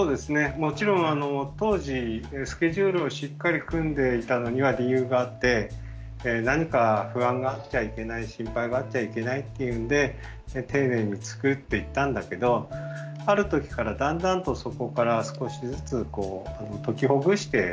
もちろん当時スケジュールをしっかり組んでいたのには理由があって何か不安があっちゃいけない心配があっちゃいけないっていうんで丁寧に作っていったんだけどある時からだんだんとそこから少しずつこう解きほぐしてあえていったんですね。